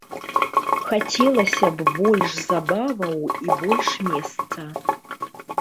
Хацелася б больш забаваў і больш месца.